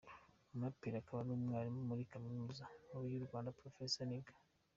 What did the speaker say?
Umuraperi akaba n’umwarimu muri Kaminuza Nkuru y’u Rwanda, Professor Nigga a.